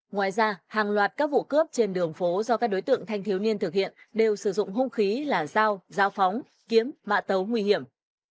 ngoài ra hàng loạt các vụ cướp trên đường phố do các đối tượng thanh thiếu niên thực hiện đều sử dụng hung khí là dao giao phóng kiếm mạ tấu nguy hiểm